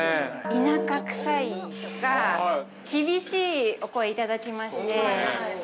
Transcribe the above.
◆田舎くさいとか、厳しいお声をいただきまして。